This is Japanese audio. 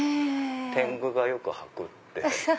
てんぐがよく履くって。